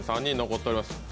３人残っております。